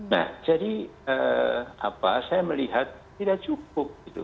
nah jadi saya melihat tidak cukup gitu